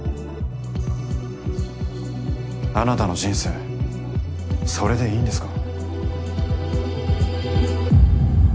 あなたの人生それでいいんですか？